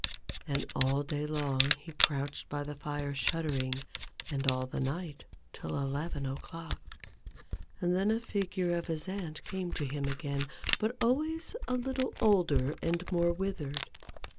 And all day long he crouched by the fire shuddering; and all the night till eleven o'clock ; and then a figure of his aunt came to him again, but always a little older THE BUSINESS OF MADAME JAHN. 95 and more withered.